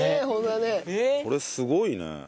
これすごいね。